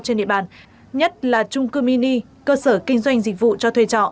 trên địa bàn nhất là trung cư mini cơ sở kinh doanh dịch vụ cho thuê trọ